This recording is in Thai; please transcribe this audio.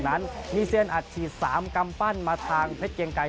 นั้นมีเซียนอัดฉีด๓กำปั้นมาทางเพชรเกียงไกร